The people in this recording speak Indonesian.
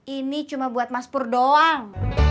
ini cuma buat mas pur doang